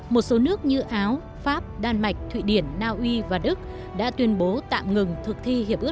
một số nước như áo pháp đan mạch thụy điển naui và đức đã tuyên bố tạm ngừng thực thi hiệp ước